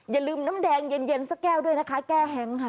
อย่าลืมน้ำแดงเย็นสักแก้วด้วยนะคะแก้แฮงค่ะ